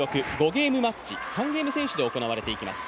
ゲームマッチ、３ゲーム先取で行われていきます。